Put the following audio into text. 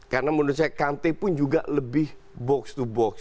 karena menurut saya kante pun juga lebih box to box